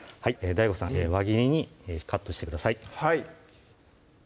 ＤＡＩＧＯさん輪切りにカットしてください